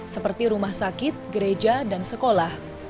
seperti rumah sakit gereja dan sekolah